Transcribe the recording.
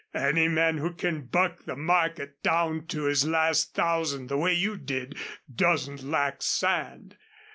Any man who can buck the market down to his last thousand the way you did doesn't lack sand.